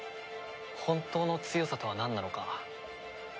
本当の強さとはなんなのか。